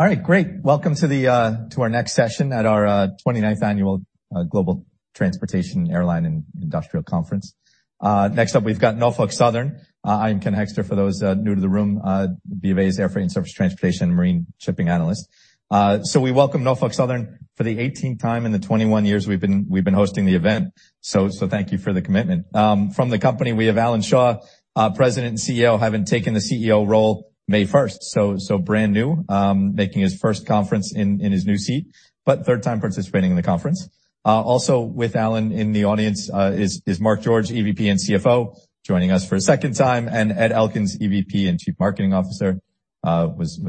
All right, great. Welcome to our next session at our 29th Annual Global Transportation Airline and Industrial Conference. Next up, we've got Norfolk Southern. I'm Ken Hoexter. For those new to the room, Vivae is Airfreight and Surface Transportation and Marine Shipping Analyst. We welcome Norfolk Southern for the 18th time in the 21 years we've been hosting the event. Thank you for the commitment. From the company, we have Alan Shaw, President and CEO, having taken the CEO role May 1st. Brand new, making his first conference in his new seat, but third time participating in the conference. Also with Alan in the audience is Mark George, EVP and CFO, joining us for a second time, and Ed Elkins, EVP and Chief Marketing Officer, was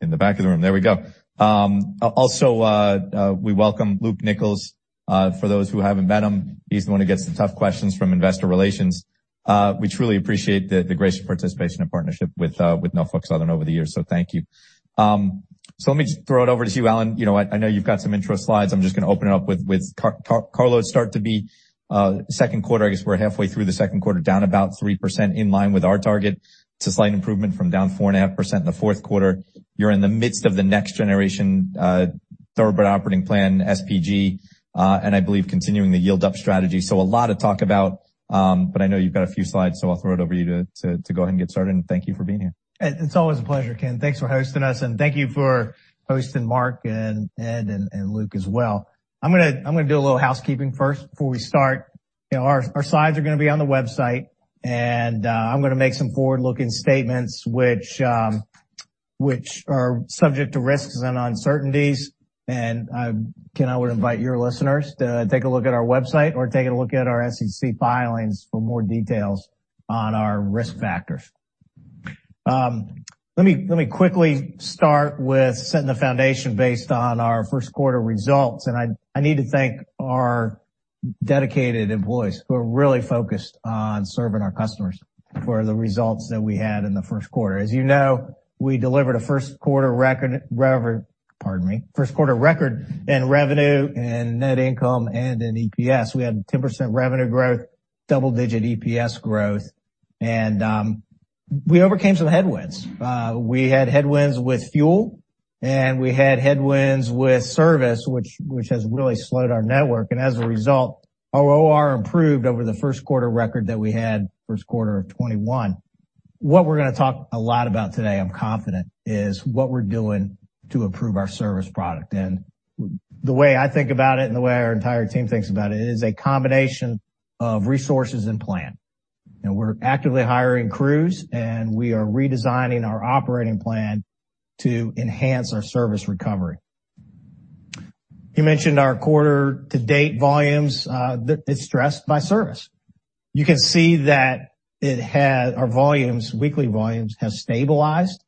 in the back of the room. There we go. Also, we welcome Luke Nichols. For those who haven't met him, he's the one who gets the tough questions from investor relations. We truly appreciate the grace of participation and partnership with Norfolk Southern over the years. Thank you. Let me just throw it over to you, Alan. You know, I know you've got some intro slides. I'm just going to open it up with Carlo. It started to be second quarter. I guess we're halfway through the second quarter, down about 3% in line with our target. It's a slight improvement from down 4.5% in the fourth quarter. You're in the midst of the Next Generation Thoroughbred Operating Plan, SPG, and I believe continuing the yield-up strategy. A lot to talk about, but I know you've got a few slides, so I'll throw it over to you to go ahead and get started. Thank you for being here. It's always a pleasure, Ken. Thanks for hosting us, and thank you for hosting Mark and Ed and Luke as well. I'm going to do a little housekeeping first before we start. Our slides are going to be on the website, and I'm going to make some forward-looking statements which are subject to risks and uncertainties. Ken, I would invite your listeners to take a look at our website or take a look at our SEC filings for more details on our risk factors. Let me quickly start with setting the foundation based on our first quarter results. I need to thank our dedicated employees who are really focused on serving our customers for the results that we had in the first quarter. As you know, we delivered a first quarter record, pardon me, first quarter record in revenue and net income and in EPS. We had 10% revenue growth, double-digit EPS growth. We overcame some headwinds. We had headwinds with fuel, and we had headwinds with service, which has really slowed our network. As a result, our OR improved over the first quarter record that we had, first quarter of 2021. What we're going to talk a lot about today, I'm confident, is what we're doing to improve our service product. The way I think about it and the way our entire team thinks about it is a combination of resources and plan. We're actively hiring crews, and we are redesigning our operating plan to enhance our service recovery. You mentioned our quarter-to-date volumes. It's stressed by service. You can see that our volumes, weekly volumes, have stabilized.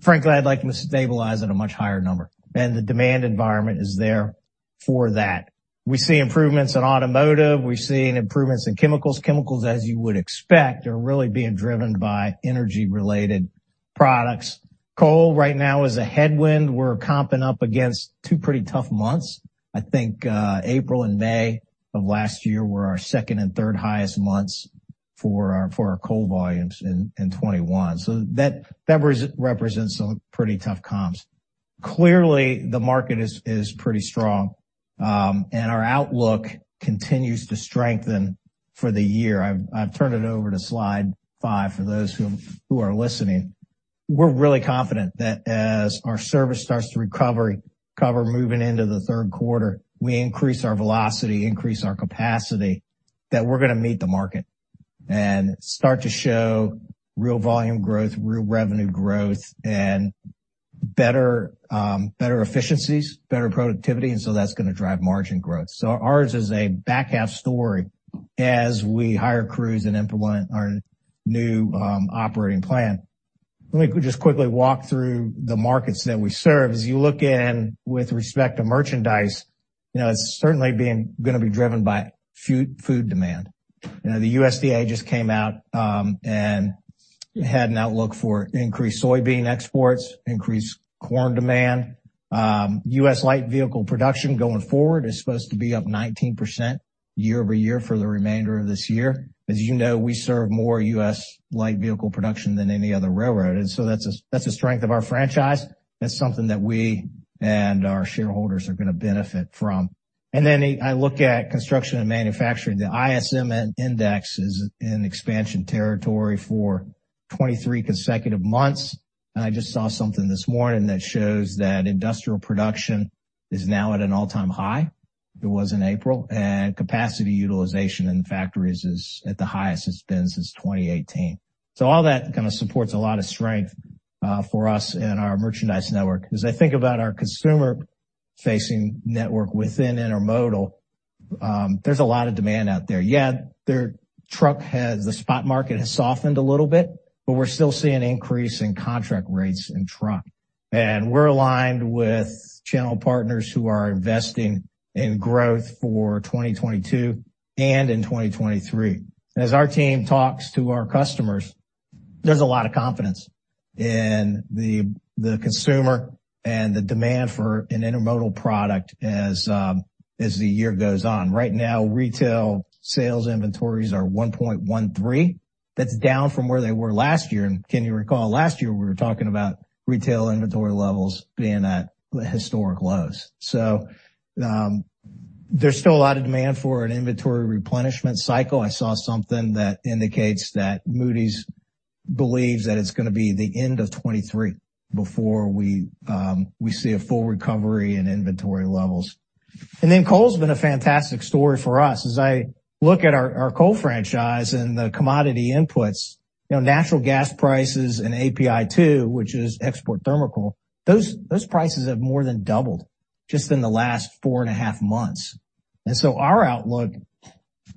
Frankly, I'd like them to stabilize at a much higher number. The demand environment is there for that. We see improvements in automotive. We're seeing improvements in chemicals. Chemicals, as you would expect, are really being driven by energy-related products. Coal right now is a headwind. We're comping up against two pretty tough months. I think April and May of last year were our second and third highest months for our coal volumes in 2021. That represents some pretty tough comps. Clearly, the market is pretty strong, and our outlook continues to strengthen for the year. I've turned it over to slide five for those who are listening. We're really confident that as our service starts to recover, moving into the third quarter, we increase our velocity, increase our capacity, that we're going to meet the market and start to show real volume growth, real revenue growth, and better efficiencies, better productivity. That is going to drive margin growth. Ours is a back half story as we hire crews and implement our new operating plan. Let me just quickly walk through the markets that we serve. As you look in with respect to merchandise, it's certainly going to be driven by food demand. The USDA just came out and had an outlook for increased soybean exports, increased corn demand. U.S. light vehicle production going forward is supposed to be up 19% year-over-year for the remainder of this year. As you know, we serve more U.S. light vehicle production than any other railroad. That's a strength of our franchise. That's something that we and our shareholders are going to benefit from. I look at construction and manufacturing. The ISM index is in expansion territory for 23 consecutive months. I just saw something this morning that shows that industrial production is now at an all-time high. It was in April. Capacity utilization in the factories is at the highest it's been since 2018. All that kind of supports a lot of strength for us in our merchandise network. As I think about our consumer-facing network within Intermodal, there's a lot of demand out there. Yeah, the spot market has softened a little bit, but we're still seeing an increase in contract rates in truck. We're aligned with channel partners who are investing in growth for 2022 and in 2023. As our team talks to our customers, there's a lot of confidence in the consumer and the demand for an Intermodal product as the year goes on. Right now, retail sales inventories are 1.13. That's down from where they were last year. Can you recall last year we were talking about retail inventory levels being at historic lows? There is still a lot of demand for an inventory replenishment cycle. I saw something that indicates that Moody's believes that it is going to be the end of 2023 before we see a full recovery in inventory levels. Coal has been a fantastic story for us. As I look at our coal franchise and the commodity inputs, natural gas prices and API2, which is export thermal coal, those prices have more than doubled just in the last four and a half months. Our outlook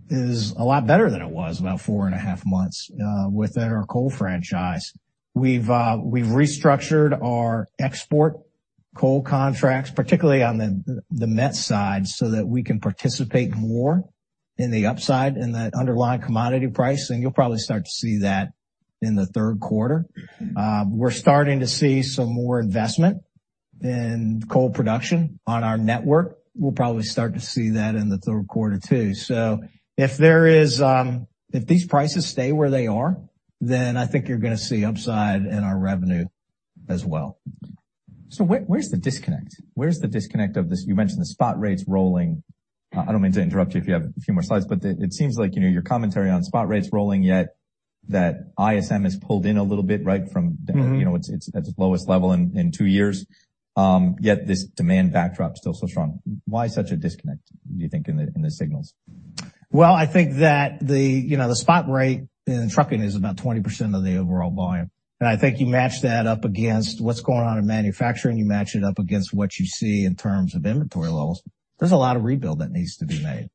is a lot better than it was about four and a half months ago within our coal franchise. We have restructured our export coal contracts, particularly on the met side, so that we can participate more in the upside in the underlying commodity price. You will probably start to see that in the third quarter. We are starting to see some more investment in coal production on our network. We will probably start to see that in the third quarter too. If these prices stay where they are, then I think you are going to see upside in our revenue as well. Where's the disconnect? Where's the disconnect of this? You mentioned the spot rates rolling. I don't mean to interrupt you if you have a few more slides, but it seems like your commentary on spot rates rolling yet that ISM has pulled in a little bit right from its lowest level in two years, yet this demand backdrop is still so strong. Why such a disconnect, do you think, in the signals? I think that the spot rate in trucking is about 20% of the overall volume. I think you match that up against what's going on in manufacturing. You match it up against what you see in terms of inventory levels. There's a lot of rebuild that needs to be made.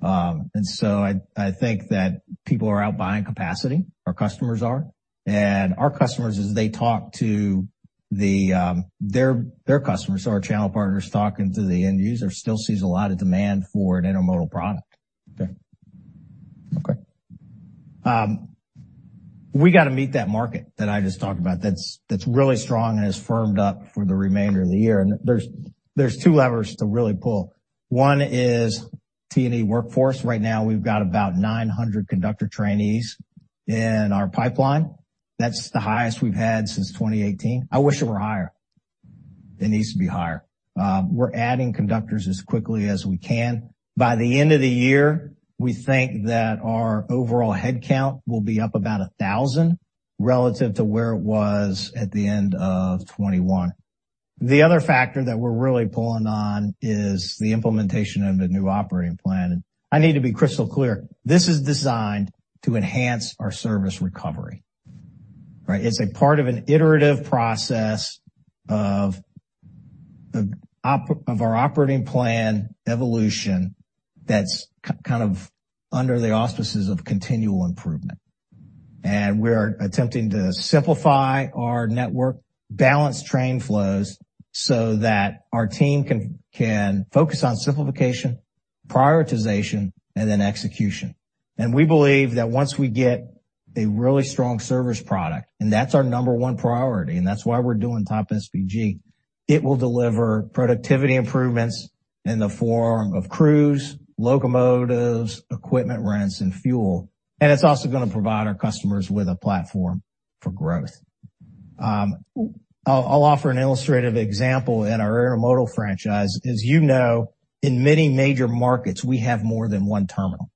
I think that people are out buying capacity. Our customers are. Our customers, as they talk to their customers, our channel partners talking to the end user, still sees a lot of demand for an Intermodal product. Okay. Okay. We got to meet that market that I just talked about that's really strong and has firmed up for the remainder of the year. There are two levers to really pull. One is T&E workforce. Right now, we've got about 900 conductor trainees in our pipeline. That's the highest we've had since 2018. I wish it were higher. It needs to be higher. We're adding conductors as quickly as we can. By the end of the year, we think that our overall headcount will be up about 1,000 relative to where it was at the end of 2021. The other factor that we're really pulling on is the implementation of a new operating plan. I need to be crystal clear. This is designed to enhance our service recovery. It's a part of an iterative process of our operating plan evolution that's kind of under the auspices of continual improvement. We're attempting to simplify our network, balance train flows so that our team can focus on simplification, prioritization, and then execution. We believe that once we get a really strong service product, and that's our number one priority, and that's why we're doing TOP|SPG, it will deliver productivity improvements in the form of crews, locomotives, equipment rents, and fuel. It's also going to provide our customers with a platform for growth. I'll offer an illustrative example in our Intermodal franchise. As you know, in many major markets, we have more than one terminal.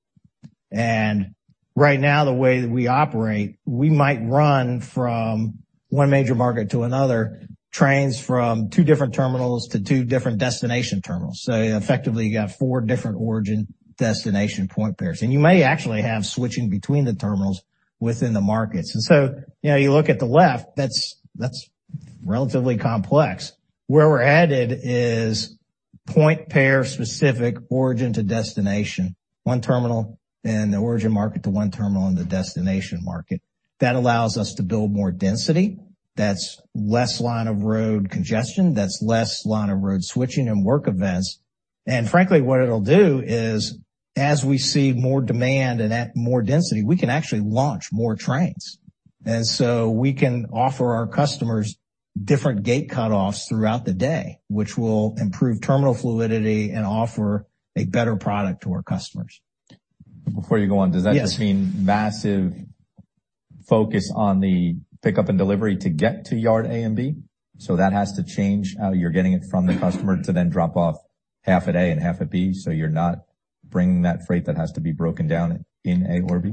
Right now, the way that we operate, we might run from one major market to another, trains from two different terminals to two different destination terminals. Effectively, you got four different origin-destination point pairs. You may actually have switching between the terminals within the markets. You look at the left, that's relatively complex. Where we're headed is point pair-specific origin to destination, one terminal in the origin market to one terminal in the destination market. That allows us to build more density. That's less line-of-road congestion. That's less line-of-road switching and work events. Frankly, what it'll do is, as we see more demand and more density, we can actually launch more trains. We can offer our customers different gate cutoffs throughout the day, which will improve terminal fluidity and offer a better product to our customers. Before you go on, does that just mean massive focus on the pickup and delivery to get to yard A and B? That has to change how you're getting it from the customer to then drop off half at A and half at B so you're not bringing that freight that has to be broken down in A or B?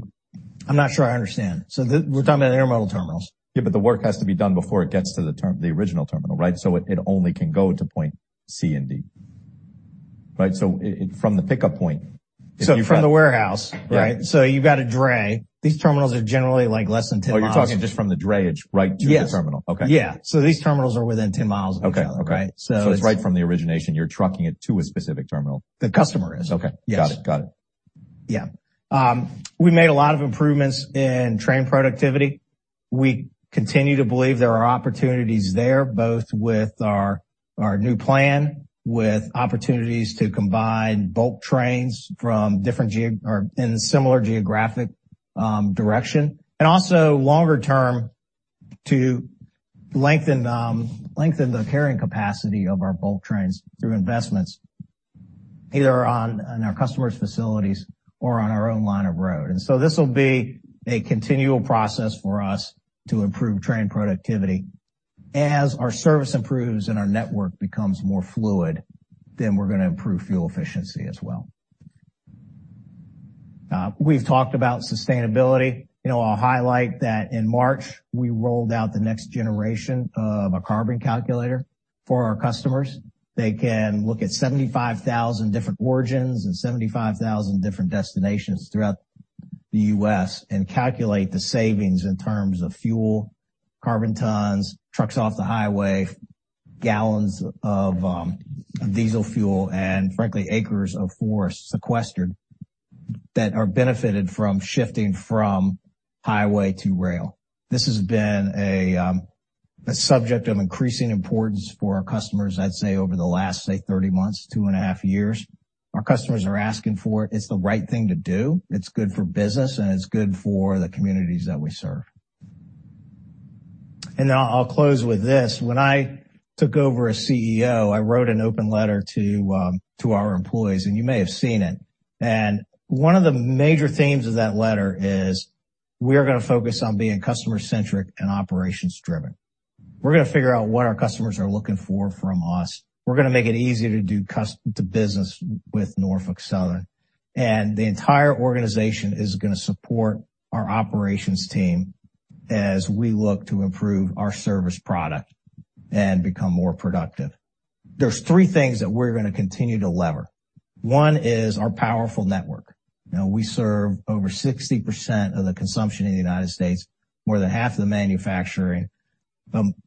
I'm not sure I understand. We're talking about Intermodal terminals. Yeah, but the work has to be done before it gets to the original terminal, right? It only can go to point C and D, right? From the pickup point. From the warehouse, right? You've got a dray. These terminals are generally like less than 10 mi. Oh, you're talking just from the drayage right to the terminal. Okay. Yeah. These terminals are within 10 mi of each other. Okay. Okay. It's right from the origination. You're trucking it to a specific terminal. The customer is. Okay. Got it. Got it. Yeah. We made a lot of improvements in train productivity. We continue to believe there are opportunities there, both with our new plan, with opportunities to combine bulk trains from different or in similar geographic direction, and also longer term to lengthen the carrying capacity of our bulk trains through investments either in our customer's facilities or on our own line of road. This will be a continual process for us to improve train productivity. As our service improves and our network becomes more fluid, we are going to improve fuel efficiency as well. We've talked about sustainability. I'll highlight that in March, we rolled out the next generation of a Carbon Calculator for our customers. They can look at 75,000 different origins and 75,000 different destinations throughout the U.S. and calculate the savings in terms of fuel, carbon tons, trucks off the highway, gallons of diesel fuel, and frankly, acres of forest sequestered that are benefited from shifting from highway to rail. This has been a subject of increasing importance for our customers, I'd say, over the last, say, 30 months, two and a half years. Our customers are asking for it. It's the right thing to do. It's good for business, and it's good for the communities that we serve. I will close with this. When I took over as CEO, I wrote an open letter to our employees, and you may have seen it. One of the major themes of that letter is we are going to focus on being customer-centric and operations-driven. We're going to figure out what our customers are looking for from us. We are going to make it easier to do business with Norfolk Southern. The entire organization is going to support our operations team as we look to improve our service product and become more productive. There are three things that we are going to continue to lever. One is our powerful network. We serve over 60% of the consumption in the United States., more than half of the manufacturing.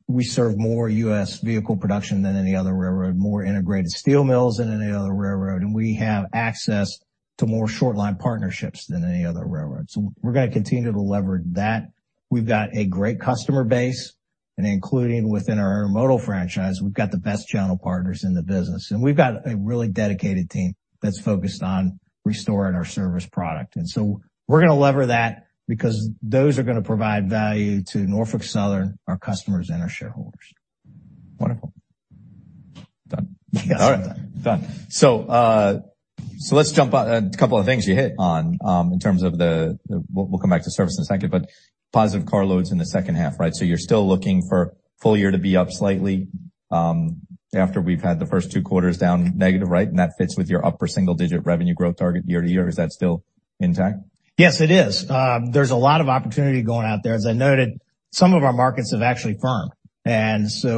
We serve more U.S. vehicle production than any other railroad, more integrated steel mills than any other railroad, and we have access to more short-line partnerships than any other railroad. We are going to continue to leverage that. We have a great customer base, and including within our Intermodal franchise, we have the best channel partners in the business. We have a really dedicated team that is focused on restoring our service product. We are going to lever that because those are going to provide value to Norfolk Southern, our customers, and our shareholders. Wonderful. Done. All right. Done. Let's jump on a couple of things you hit on in terms of the we'll come back to service in a second, but positive car loads in the second half, right? You're still looking for full year to be up slightly after we've had the first two quarters down negative, right? That fits with your upper single-digit revenue growth target year to year. Is that still intact? Yes, it is. There's a lot of opportunity going out there. As I noted, some of our markets have actually firmed.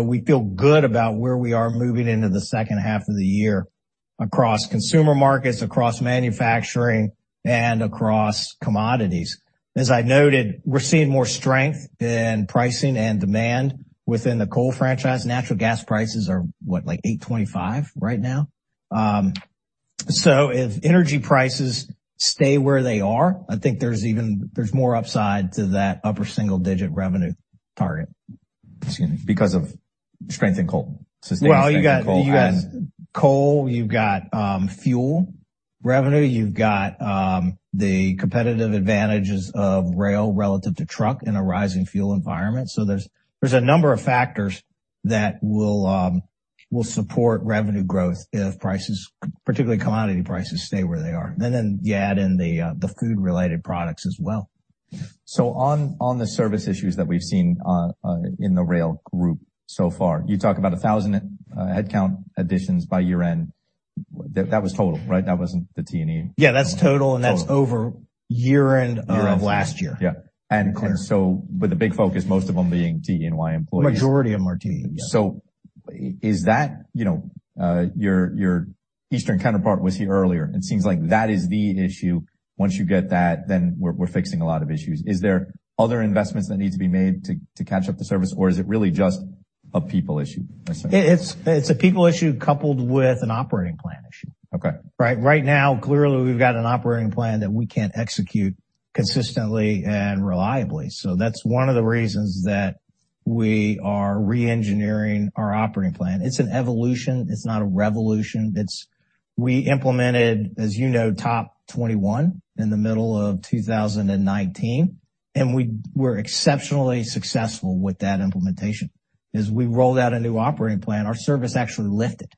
We feel good about where we are moving into the second half of the year across consumer markets, across manufacturing, and across commodities. As I noted, we're seeing more strength in pricing and demand within the coal franchise. Natural gas prices are, what, like $8.25 right now. If energy prices stay where they are, I think there's even more upside to that upper single-digit revenue target. Excuse me. Because of strength in coal. You got coal, you've got fuel revenue, you've got the competitive advantages of rail relative to truck in a rising fuel environment. There is a number of factors that will support revenue growth if prices, particularly commodity prices, stay where they are. You add in the food-related products as well. On the service issues that we've seen in the rail group so far, you talk about 1,000 headcount additions by year-end. That was total, right? That wasn't the T&E. Yeah, that's total, and that's over year-end of last year. Year-end. Yeah. And so with a big focus, most of them being T&E employees. Majority of them are T&E. Is that your Eastern counterpart was here earlier. It seems like that is the issue. Once you get that, then we're fixing a lot of issues. Is there other investments that need to be made to catch up the service, or is it really just a people issue? It's a people issue coupled with an operating plan issue. Right now, clearly, we've got an operating plan that we can't execute consistently and reliably. That's one of the reasons that we are re-engineering our operating plan. It's an evolution. It's not a revolution. We implemented, as you know, top 21 in the middle of 2019, and we were exceptionally successful with that implementation. As we rolled out a new operating plan, our service actually lifted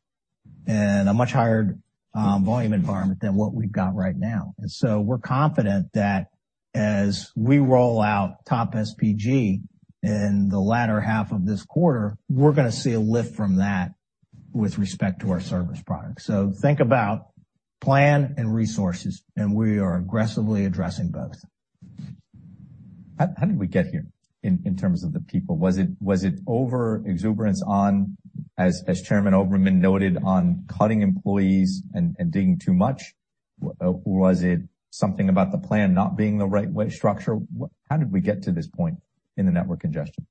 in a much higher volume environment than what we've got right now. We are confident that as we roll out TOP|SPG in the latter half of this quarter, we're going to see a lift from that with respect to our service product. Think about plan and resources, and we are aggressively addressing both. How did we get here in terms of the people? Was it over-exuberance on, as Chairman Oberman noted, on cutting employees and digging too much? Was it something about the plan not being the right way structure? How did we get to this point in the network congestion?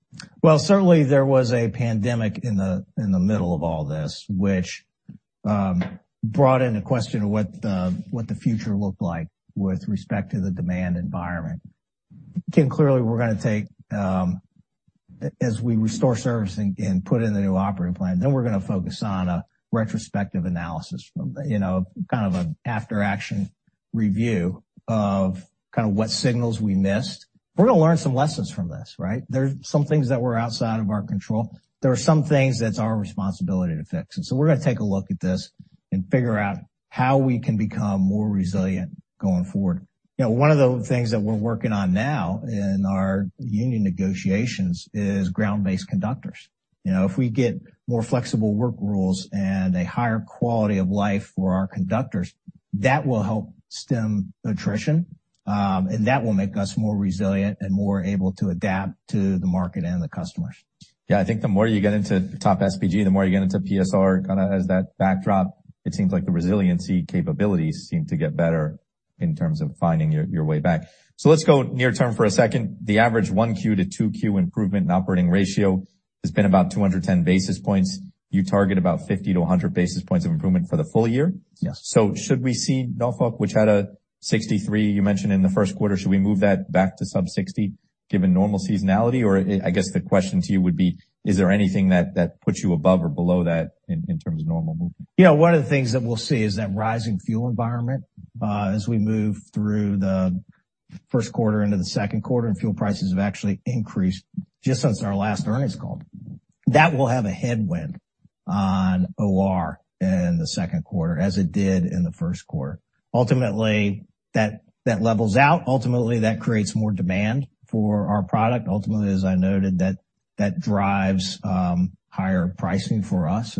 Certainly, there was a pandemic in the middle of all this, which brought in a question of what the future looked like with respect to the demand environment. Clearly, we're going to take, as we restore service and put in the new operating plan, then we're going to focus on a retrospective analysis from kind of an after-action review of kind of what signals we missed. We're going to learn some lessons from this, right? There's some things that were outside of our control. There are some things that's our responsibility to fix. We're going to take a look at this and figure out how we can become more resilient going forward. One of the things that we're working on now in our union negotiations is ground-based conductors. If we get more flexible work rules and a higher quality of life for our conductors, that will help stem attrition, and that will make us more resilient and more able to adapt to the market and the customers. Yeah. I think the more you get into TOP|SPG, the more you get into PSR kind of as that backdrop, it seems like the resiliency capabilities seem to get better in terms of finding your way back. Let's go near-term for a second. The average 1Q to 2Q improvement in operating ratio has been about 210 basis points. You target about 50-100 basis points of improvement for the full year. Should we see Norfolk, which had a 63 you mentioned in the first quarter, should we move that back to sub-60 given normal seasonality? I guess the question to you would be, is there anything that puts you above or below that in terms of normal movement? Yeah. One of the things that we'll see is that rising fuel environment as we move through the first quarter into the second quarter and fuel prices have actually increased just since our last earnings call. That will have a headwind on OR in the second quarter as it did in the first quarter. Ultimately, that levels out. Ultimately, that creates more demand for our product. Ultimately, as I noted, that drives higher pricing for us.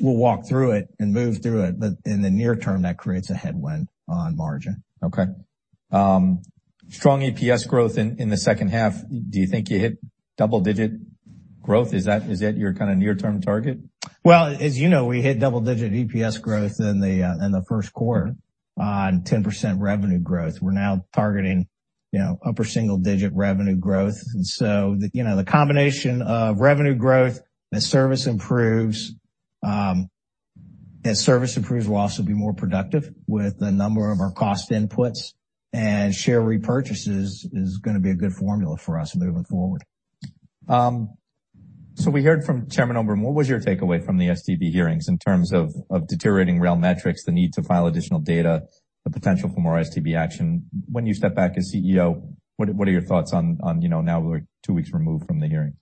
We'll walk through it and move through it. In the near term, that creates a headwind on margin. Okay. Strong EPS growth in the second half. Do you think you hit double-digit growth? Is that your kind of near-term target? As you know, we hit double-digit EPS growth in the first quarter on 10% revenue growth. We're now targeting upper single-digit revenue growth. The combination of revenue growth as service improves, as service improves, we'll also be more productive with the number of our cost inputs, and share repurchases is going to be a good formula for us moving forward. We heard from Chairman Oberman. What was your takeaway from the STB hearings in terms of deteriorating rail metrics, the need to file additional data, the potential for more STB action? When you step back as CEO, what are your thoughts on now we're two weeks removed from the hearing?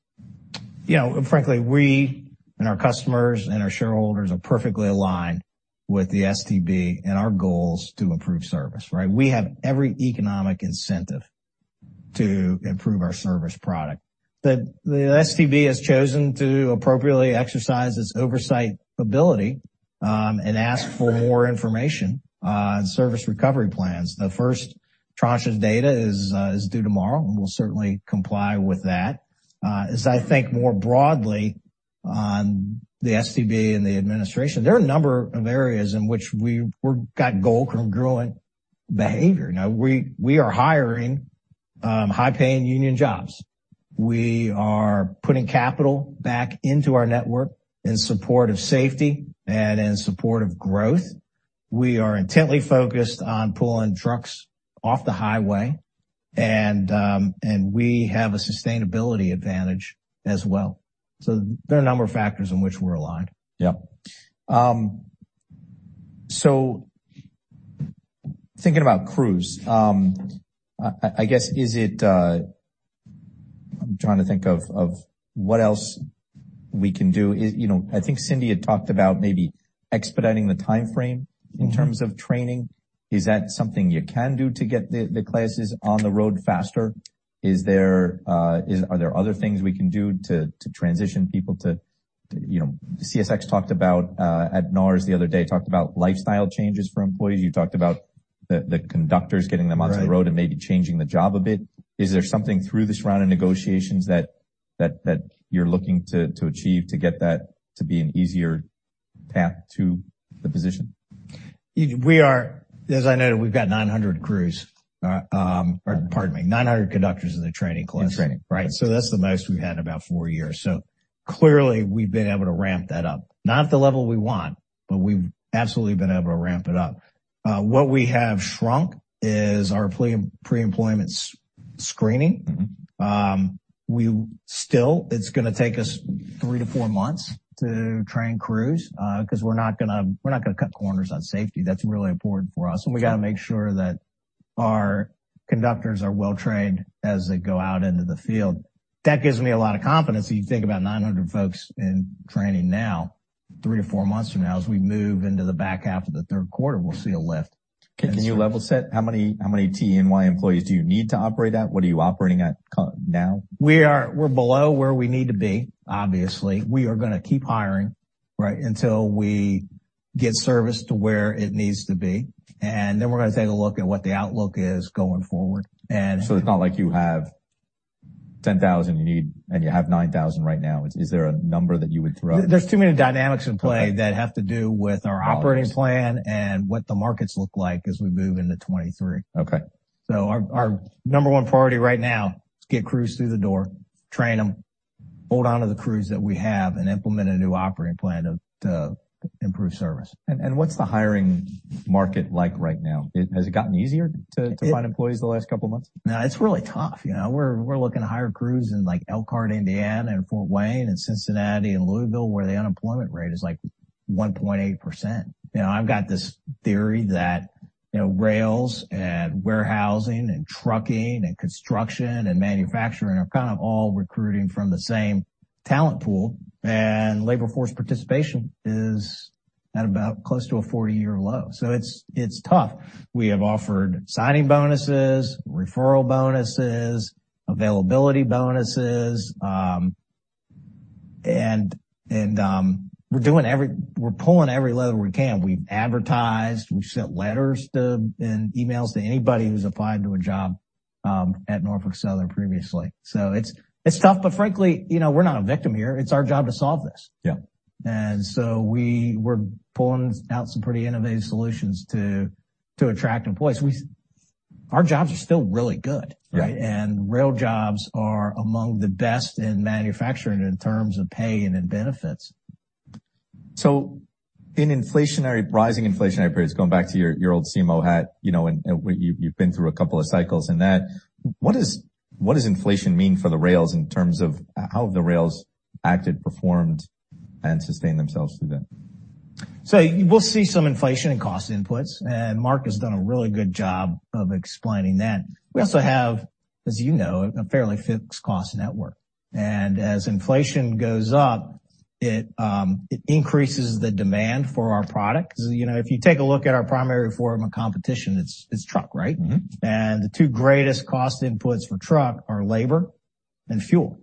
Yeah. Frankly, we and our customers and our shareholders are perfectly aligned with the STB and our goals to improve service, right? We have every economic incentive to improve our service product. The STB has chosen to appropriately exercise its oversight ability and ask for more information on service recovery plans. The first tranche of data is due tomorrow, and we'll certainly comply with that. As I think more broadly on the STB and the administration, there are a number of areas in which we've got goal-congruent behavior. We are hiring high-paying union jobs. We are putting capital back into our network in support of safety and in support of growth. We are intently focused on pulling trucks off the highway, and we have a sustainability advantage as well. There are a number of factors in which we're aligned. Yeah. Thinking about crews, I guess, is it, I'm trying to think of what else we can do. I think Cindy had talked about maybe expediting the timeframe in terms of training. Is that something you can do to get the classes on the road faster? Are there other things we can do to transition people to CSX talked about at NARS the other day, talked about lifestyle changes for employees. You talked about the conductors getting them onto the road and maybe changing the job a bit. Is there something through this round of negotiations that you're looking to achieve to get that to be an easier path to the position? As I noted, we've got 900 crews, or pardon me, 900 conductors in the training class. In training. Right. That's the most we've had in about four years. Clearly, we've been able to ramp that up. Not at the level we want, but we've absolutely been able to ramp it up. What we have shrunk is our pre-employment screening. Still, it's going to take us three to four months to train crews because we're not going to cut corners on safety. That's really important for us. We have to make sure that our conductors are well-trained as they go out into the field. That gives me a lot of confidence. You think about 900 folks in training now, three to four months from now, as we move into the back half of the third quarter, we'll see a lift. Can you level set? How many T&E employees do you need to operate at? What are you operating at now? We're below where we need to be, obviously. We are going to keep hiring until we get service to where it needs to be. We are going to take a look at what the outlook is going forward. It is not like you have 10,000 and you have 9,000 right now. Is there a number that you would throw? are too many dynamics in play that have to do with our operating plan and what the markets look like as we move into 2023. Our number one priority right now is to get crews through the door, train them, hold on to the crews that we have, and implement a new operating plan to improve service. What's the hiring market like right now? Has it gotten easier to find employees the last couple of months? No, it's really tough. We're looking to hire crews in Elkhart, Indiana, and Fort Wayne, and Cincinnati and Louisville, where the unemployment rate is like 1.8%. I've got this theory that rails and warehousing and trucking and construction and manufacturing are kind of all recruiting from the same talent pool, and labor force participation is at about close to a 40-year low. It's tough. We have offered signing bonuses, referral bonuses, availability bonuses, and we're pulling every lever we can. We've advertised. We've sent letters and emails to anybody who's applied to a job at Norfolk Southern previously. It's tough, but frankly, we're not a victim here. It's our job to solve this. We're pulling out some pretty innovative solutions to attract employees. Our jobs are still really good, right? Rail jobs are among the best in manufacturing in terms of pay and benefits. In rising inflationary periods, going back to your old CMO hat, and you've been through a couple of cycles in that, what does inflation mean for the rails in terms of how the rails acted, performed, and sustained themselves through that? We will see some inflation in cost inputs, and Mark has done a really good job of explaining that. We also have, as you know, a fairly fixed cost network. As inflation goes up, it increases the demand for our product. If you take a look at our primary form of competition, it's truck, right? The two greatest cost inputs for truck are labor and fuel.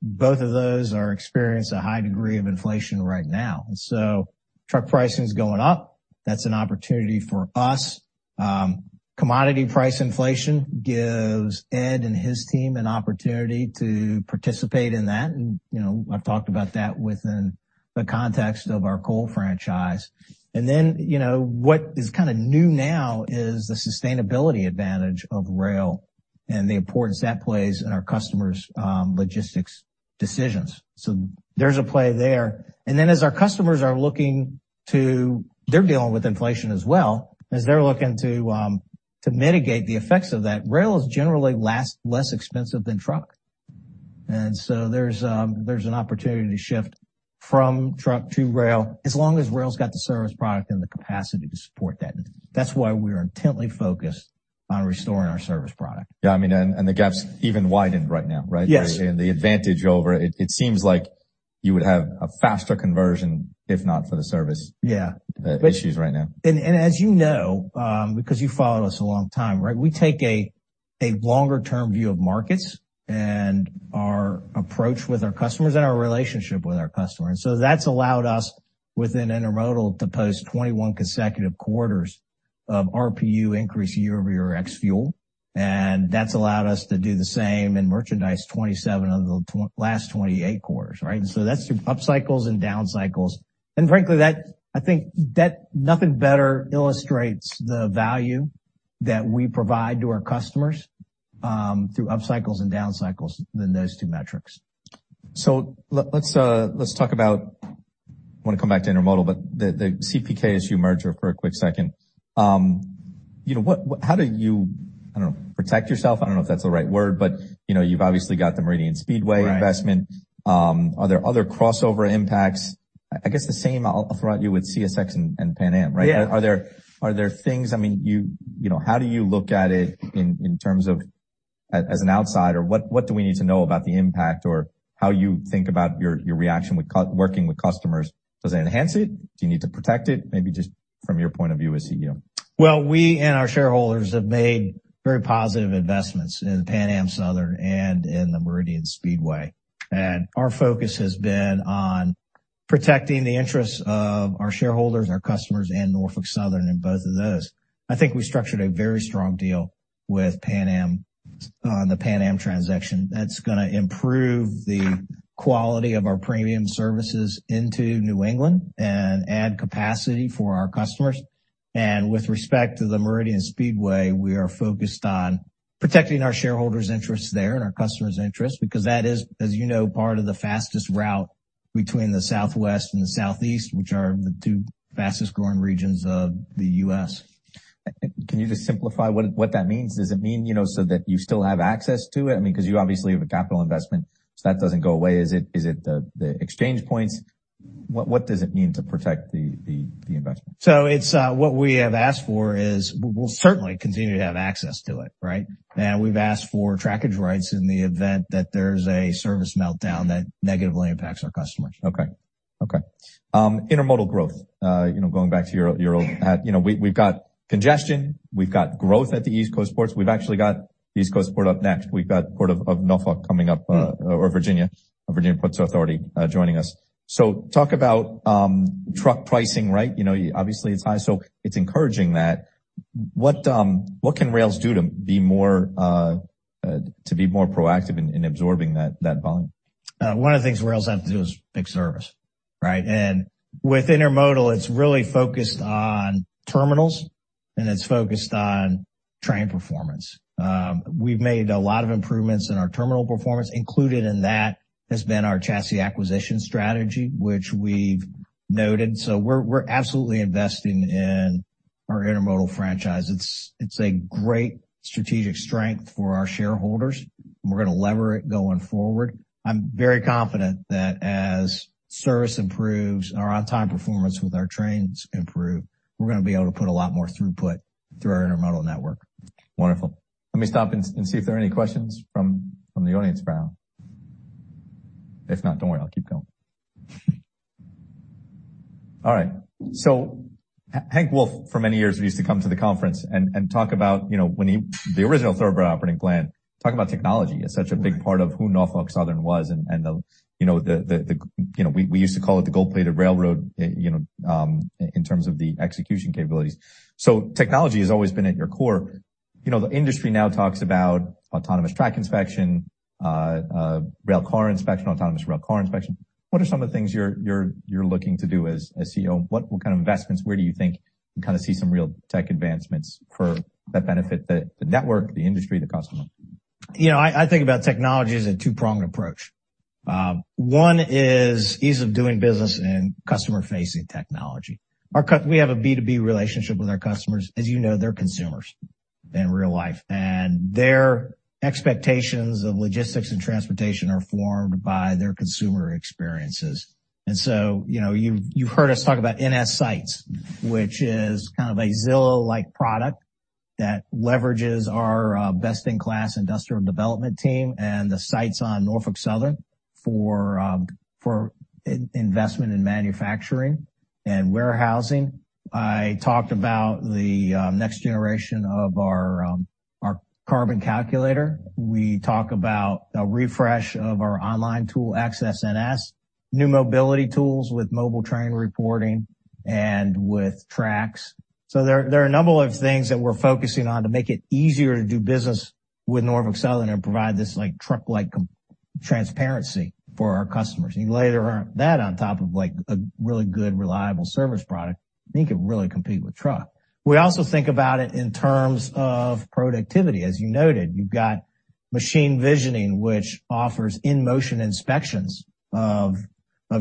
Both of those are experiencing a high degree of inflation right now. Truck pricing is going up. That's an opportunity for us. Commodity price inflation gives Ed and his team an opportunity to participate in that. I've talked about that within the context of our coal franchise. What is kind of new now is the sustainability advantage of rail and the importance that plays in our customers' logistics decisions. There is a play there. As our customers are looking to, they're dealing with inflation as well. As they're looking to mitigate the effects of that, rail is generally less expensive than truck. There is an opportunity to shift from truck to rail as long as rail's got the service product and the capacity to support that. That's why we are intently focused on restoring our service product. Yeah. I mean, the gap's even widened right now, right? The advantage over, it seems like you would have a faster conversion, if not for the service issues right now. Yeah. And as you know, because you follow us a long time, right, we take a longer-term view of markets and our approach with our customers and our relationship with our customers. That has allowed us within intermodal to post 21 consecutive quarters of RPU increase year-over-year ex-fuel. That has allowed us to do the same in merchandise 27 of the last 28 quarters, right? That is through upcycles and downcycles. Frankly, I think nothing better illustrates the value that we provide to our customers through upcycles and downcycles than those two metrics. Let's talk about, I want to come back to intermodal, but the CPKC merger for a quick second. How do you, I don't know, protect yourself? I don't know if that's the right word, but you've obviously got the Meridian Speedway Investment. Are there other crossover impacts? I guess the same, I'll throw at you with CSX and Pan Am, right? Are there things, I mean, how do you look at it in terms of as an outsider? What do we need to know about the impact or how you think about your reaction working with customers? Does it enhance it? Do you need to protect it? Maybe just from your point of view as CEO. We and our shareholders have made very positive investments in Pan Am Southern and in the Meridian Speedway. Our focus has been on protecting the interests of our shareholders, our customers, and Norfolk Southern in both of those. I think we structured a very strong deal with Pan Am on the Pan Am transaction. That is going to improve the quality of our premium services into New England and add capacity for our customers. With respect to the Meridian Speedway, we are focused on protecting our shareholders' interests there and our customers' interests because that is, as you know, part of the fastest route between the Southwest and the Southeast, which are the two fastest growing regions of the U.S. Can you just simplify what that means? Does it mean so that you still have access to it? I mean, because you obviously have a capital investment, so that does not go away. Is it the exchange points? What does it mean to protect the investment? What we have asked for is we'll certainly continue to have access to it, right? And we've asked for trackage rights in the event that there's a service meltdown that negatively impacts our customers. Okay. Okay. Intermodal growth, going back to your old, we've got congestion, we've got growth at the East Coast ports. We've actually got East Coast port up next. We've got Port of Norfolk coming up, or Virginia, Virginia Ports Authority joining us. Talk about truck pricing, right? Obviously, it's high. It's encouraging that. What can rails do to be more proactive in absorbing that volume? One of the things rails have to do is pick service, right? With intermodal, it's really focused on terminals, and it's focused on train performance. We've made a lot of improvements in our terminal performance. Included in that has been our chassis acquisition strategy, which we've noted. We're absolutely investing in our intermodal franchise. It's a great strategic strength for our shareholders. We're going to lever it going forward. I'm very confident that as service improves and our on-time performance with our trains improve, we're going to be able to put a lot more throughput through our intermodal network. Wonderful. Let me stop and see if there are any questions from the audience for now. If not, don't worry. I'll keep going. All right. So Hank Wolf, for many years, we used to come to the conference and talk about when the original Thoroughbred Operating Plan, talk about technology as such a big part of who Norfolk Southern was. And we used to call it the gold-plated railroad in terms of the execution capabilities. So technology has always been at your core. The industry now talks about autonomous track inspection, rail car inspection, autonomous rail car inspection. What are some of the things you're looking to do as CEO? What kind of investments? Where do you think you kind of see some real tech advancements for that benefit the network, the industry, the customer? I think about technology as a two-pronged approach. One is ease of doing business in customer-facing technology. We have a B2B relationship with our customers. As you know, they're consumers in real life. Their expectations of logistics and transportation are formed by their consumer experiences. You have heard us talk about NS Sites, which is kind of a Zillow-like product that leverages our best-in-class industrial development team and the sites on Norfolk Southern for investment in manufacturing and warehousing. I talked about the next generation of our Carbon Calculator. We talk about a refresh of our online tool access, NS, new mobility tools with mobile train reporting and with Tracks. There are a number of things that we're focusing on to make it easier to do business with Norfolk Southern and provide this truck-like transparency for our customers. You layer that on top of a really good, reliable service product, you can really compete with truck. We also think about it in terms of productivity. As you noted, you've got machine visioning, which offers in-motion inspections of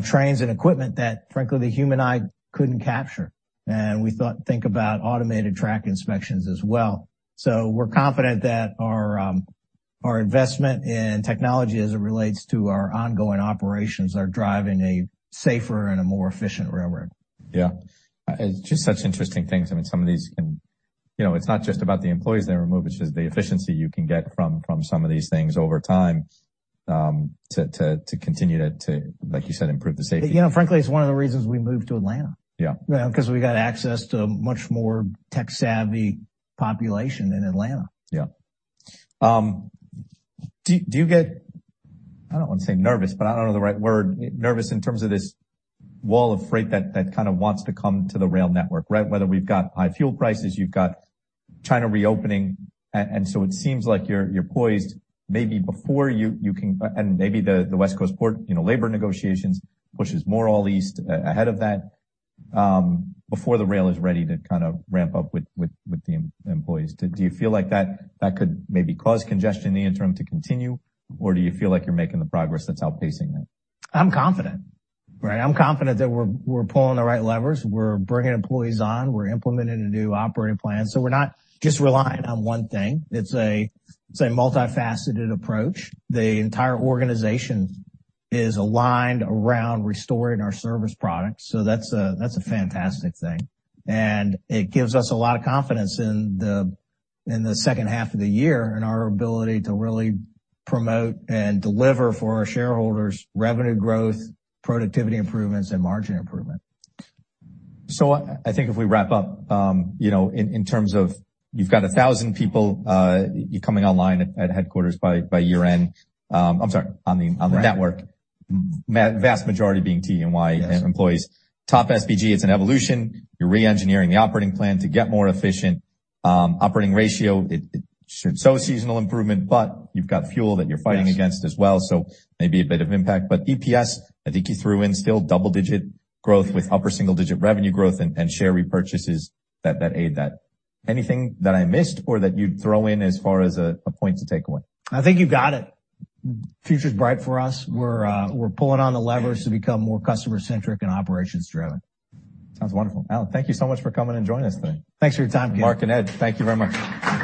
trains and equipment that, frankly, the human eye couldn't capture. We think about automated track inspections as well. We are confident that our investment in technology as it relates to our ongoing operations are driving a safer and a more efficient railroad. Yeah. It's just such interesting things. I mean, some of these can, it's not just about the employees they remove, it's just the efficiency you can get from some of these things over time to continue to, like you said, improve the safety. Frankly, it's one of the reasons we moved to Atlanta. Because we got access to a much more tech-savvy population in Atlanta. Yeah. Do you get, I don't want to say nervous, but I don't know the right word, nervous in terms of this wall of freight that kind of wants to come to the rail network, right? Whether we've got high fuel prices, you've got China reopening. It seems like you're poised maybe before you can, and maybe the West Coast Port labor negotiations pushes more all east ahead of that before the rail is ready to kind of ramp up with the employees. Do you feel like that could maybe cause congestion in the interim to continue, or do you feel like you're making the progress that's outpacing that? I'm confident, right? I'm confident that we're pulling the right levers. We're bringing employees on. We're implementing a new operating plan. We're not just relying on one thing. It's a multifaceted approach. The entire organization is aligned around restoring our service products. That's a fantastic thing. It gives us a lot of confidence in the second half of the year and our ability to really promote and deliver for our shareholders revenue growth, productivity improvements, and margin improvement. I think if we wrap up in terms of you've got 1,000 people coming online at headquarters by year-end, I'm sorry, on the network, vast majority being T and Y employees. TOP|SPG, it's an evolution. You're re-engineering the operating plan to get more efficient. Operating ratio, it should show seasonal improvement, but you've got fuel that you're fighting against as well. Maybe a bit of impact. EPS, I think you threw in still double-digit growth with upper single-digit revenue growth and share repurchases that aid that. Anything that I missed or that you'd throw in as far as a point to take away? I think you've got it. Future's bright for us. We're pulling on the levers to become more customer-centric and operations-driven. Sounds wonderful. Alan, thank you so much for coming and joining us today. Thanks for your time, Ken. Mark and Ed, thank you very much.